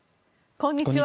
こんにちは。